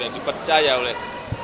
yang dipercaya oleh